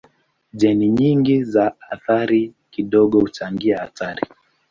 Jeni nyingi za athari kidogo huchangia hatari.